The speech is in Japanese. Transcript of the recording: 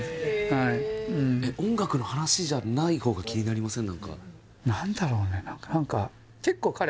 はい音楽の話じゃない方が気になりません？